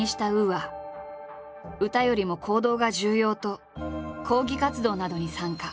歌よりも行動が重要と抗議活動などに参加。